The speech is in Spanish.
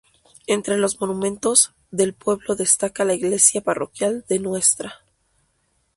Entre los monumentos del pueblo destaca la "Iglesia Parroquial de Ntra.